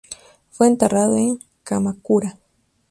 Fue enterrado en Kamakura.